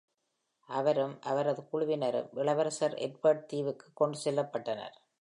அவரும் அவரது குழுவினரும் இளவரசர் எட்வர்ட் தீவுக்கு கொண்டு செல்லப்பட்டனர்.